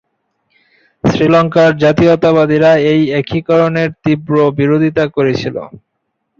শ্রীলঙ্কার জাতীয়তাবাদীরা এই একীকরণের তীব্র বিরোধিতা করেছিল।